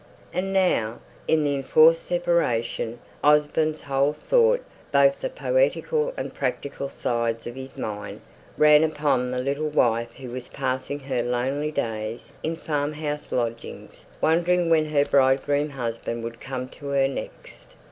And now, in the enforced separation, Osborne's whole thought, both the poetical and practical sides of his mind, ran upon the little wife who was passing her lonely days in farmhouse lodgings, wondering when her bridegroom husband would come to her next.